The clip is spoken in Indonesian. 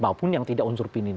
bahapun yang tidak unsur pimpinan